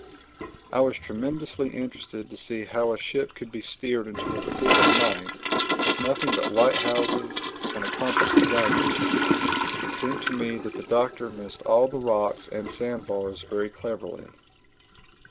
I was tremendously interested to see how a ship could be steered into a port at night with nothing but light houses and a compass to guide you. It seemed to me that the Doctor missed all the rocks and sand bars very cleverly.